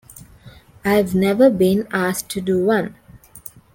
I've never been asked to do one.